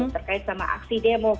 terkait sama aksi demo